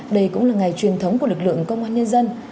đây cũng là ngày truyền thống của lực lượng công an nhân dân